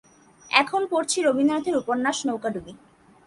এখন পড়ছি রবীন্দ্রনাথের উপন্যাস নৌকাডুবি।